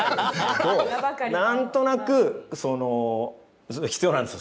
何となく必要なんです。